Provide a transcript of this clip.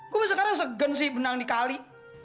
gue sekarang segan sih benang di kali